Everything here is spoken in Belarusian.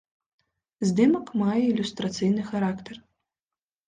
Здымак мае ілюстрацыйны характар.